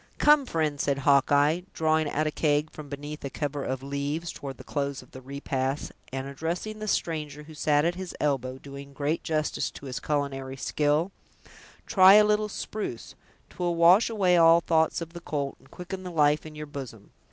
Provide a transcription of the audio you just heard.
"Come, friend," said Hawkeye, drawing out a keg from beneath a cover of leaves, toward the close of the repast, and addressing the stranger who sat at his elbow, doing great justice to his culinary skill, "try a little spruce; 'twill wash away all thoughts of the colt, and quicken the life in your bosom.